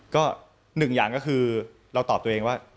ก็หนึ่งอย่างก็คือเราตอบตัวเองว่า